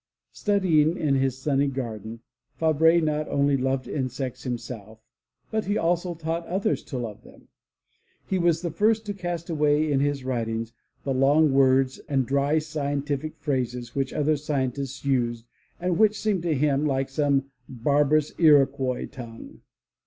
Studying in his sunny garden, Fabre not only loved insects himself, but he also taught others to love them. He was the first to cast away in his writings the long words and dry scientific phrases which other scientists used and which seemed to him like some barbarous Iroquois tongue.